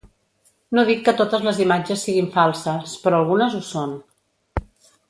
No dic que totes les imatges siguin falses, però algunes ho són.